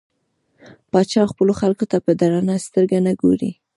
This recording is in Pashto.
پاچا خپلو خلکو ته په درنه سترګه نه ګوري .